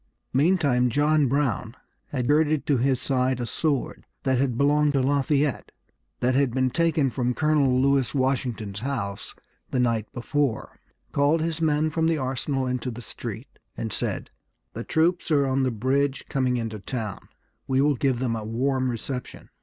Meantime John Brown had girded to his side a sword that had belonged to Lafayette, that had been taken from Colonel Lewis Washington's house the night before, called his men from the arsenal into the street, and said, "The troops are on the bridge, coming into town; we will give them a warm reception."